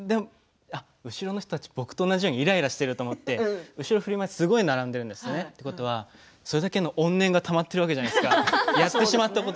後ろの人たち僕と同じようにいらいらしていると思って後ろを振り向くとすごい並んでいるんですね。ということは、それだけの怨念がたまっているわけじゃないですか。